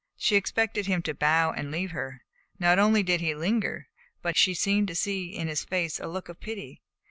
She expected him to bow and leave her. Not only did he linger, but she seemed to see in his face a look of pity.